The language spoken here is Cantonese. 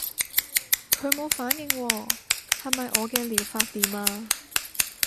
佢冇反應喎，係咪我嘅療法掂啊？